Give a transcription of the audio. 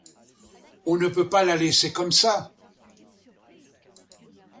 On ne peut pas la laisser comme ça.